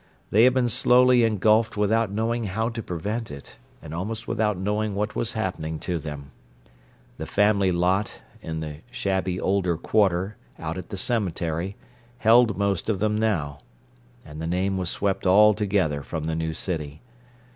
They had been slowly engulfed without knowing how to prevent it, and almost without knowing what was happening to them. The family lot, in the shabby older quarter, out at the cemetery, held most of them now; and the name was swept altogether from the new city.